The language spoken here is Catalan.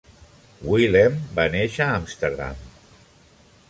Willem va néixer a Amsterdam.